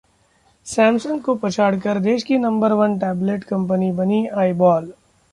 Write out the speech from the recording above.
Samsung को पछाड़कर देश की नंबर वन टैबलेट कंपनी बनी आईबॉल